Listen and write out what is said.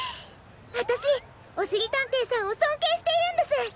わたしおしりたんていさんをそんけいしているんです。